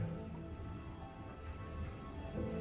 saya harus cari ren